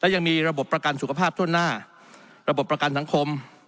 ยังมีระบบประกันสุขภาพทั่วหน้าระบบประกันสังคม